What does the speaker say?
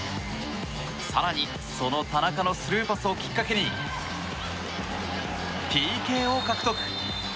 更にその田中のスルーパスをきっかけにＰＫを獲得。